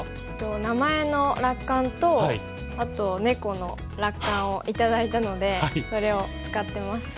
名前の落款とあと猫の落款を頂いたのでそれを使ってます。